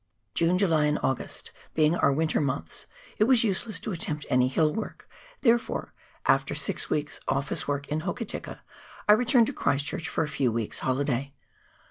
June, July, and August being our winter months, it was use less to attempt any hill work, therefore, after six weeks' office work in Hokitika, I returned to Christchurch for a few weeks' holiday.